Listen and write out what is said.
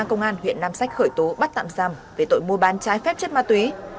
công an huyện nam sách khởi tố bắt tạm giam về tội mua bán trái phép chất ma túy